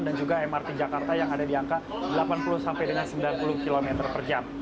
dan juga mrt jakarta yang ada di angka delapan puluh sampai dengan sembilan puluh km per jam